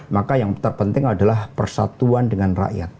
maka yang terpenting adalah persatuan dengan rakyat